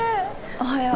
おはよう。